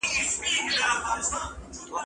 زه لوښي وچولي دي،